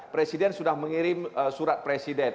presiden sudah mengirim surat presiden